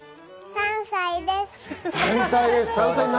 ３歳です。